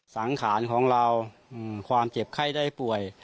สังขารของเราความเจ็บไข้ได้ป่วย